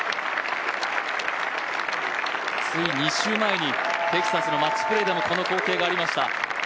つい２週前にテキサスのマッチプレーでもこの光景がありました。